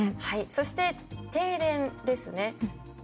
そして、３つ目停電ですね。